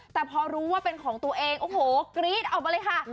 แต่พอรู้ว่าเป็นของตัวเองโอ้โหกรี๊ดออกมาเลยค่ะ